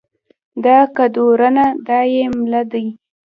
دا کدرونه دا يې مله دي